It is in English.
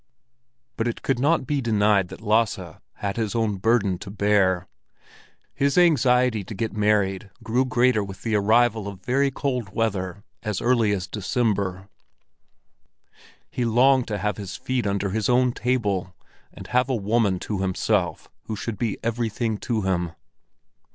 But it could not be denied that Lasse had his own burden to bear. His anxiety to get married grew greater with the arrival of very cold weather as early as December; he longed to have his feet under his own table, and have a woman to himself who should be everything to him.